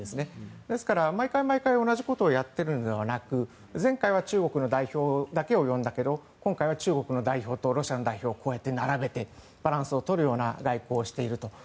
ですから、毎回同じことをやっているのではなく前回は中国の代表だけを呼んだけど今回は中国の代表とロシアの代表を並べてバランスを取るような外交をしていると。